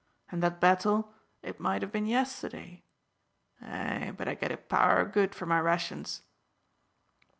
And that battle, it might have been yesterday. Eh, but I get a power o' good from my rations!"